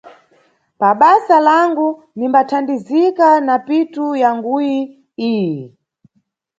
Pabasa langu, nimbathandizika na pitu yanguyi iyi.